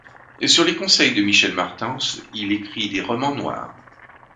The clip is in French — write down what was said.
Sur les conseils de Michel Martens, il écrit des romans noirs.